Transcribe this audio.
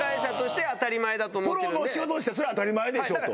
プロの仕事としてそれは当たり前でしょと。